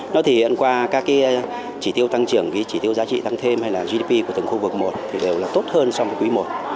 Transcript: nó thể hiện quả cả chữ tiêu tăng trưởng chữ tiêu giá trị tăng thêm hay là gdp của từng khu vực một đều là tốt hơn so với quý i